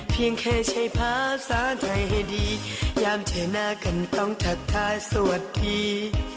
เพียงแค่ใช้ภาษาไทยให้ดียามเฉยหน้ากันต้องทักทายสวดที